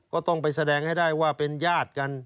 ก็ต้องไปแสดงให้ได้ว่าเป็นญาติกัน